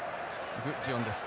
グジウォンです。